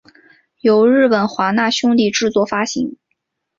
由日本华纳兄弟制作发行。